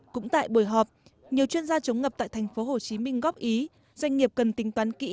cũng tại buổi họp nhiều chuyên gia chống ngập tại tp hcm góp ý doanh nghiệp cần tính toán kỹ